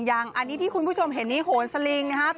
ยังอันนี้ที่คุณผู้ชมเห็นนี้โหนสลิงนะครับ